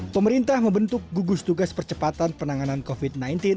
pemerintah membentuk gugus tugas percepatan penanganan covid sembilan belas